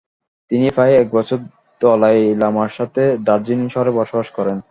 তিনি প্রায় এক বছর দলাই লামার সাথে দার্জিলিং শহরে বসবাস করেন।